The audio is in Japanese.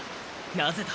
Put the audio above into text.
なぜだ？